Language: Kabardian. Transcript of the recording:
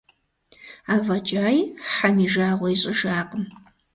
АфӀэкӀаи Хьэм и жагъуэ ищӀыжакъым.